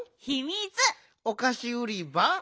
おかしうりば？